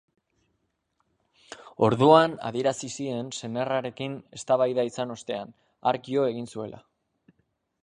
Orduan adierazi zien senarrarekin eztabaida izan ostean, hark jo egin zuela.